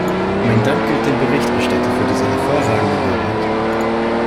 Mein Dank gilt dem Berichterstatter für diese hervorragende Arbeit.